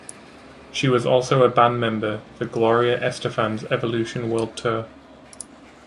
She was also a band member for Gloria Estefan's Evolution World Tour.